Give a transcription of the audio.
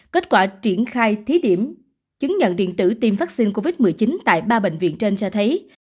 kết quả triển khai thí điểm chứng nhận điện tử tiêm vaccine covid một mươi chín tại ba bệnh viện trên cho thấy